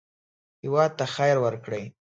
هېواد ته خیر ورکړئ